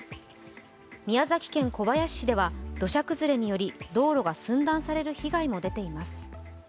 宮崎県小林市では土砂崩れにより道路が寸断される被害も出ています。